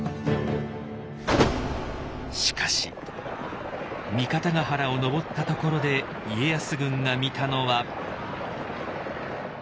しかし三方ヶ原を上ったところで家康軍が見たのは。